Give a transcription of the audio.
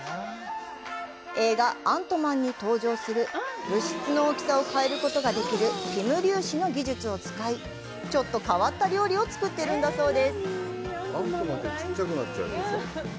映画「アントマン」に登場する、物質の大きさを変えることができるピム粒子の技術を使い、ちょっと変わった料理を作っているんだそうです。